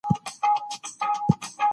ښه مدیریت تر ضعیف مدیریت ډیره ګټه لري.